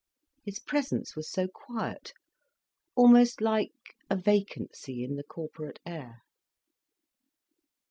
His presence was so quiet, almost like a vacancy in the corporate air.